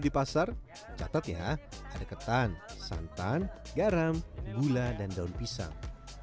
di pasar catat ya ada ketan santan garam gula dan daun pisang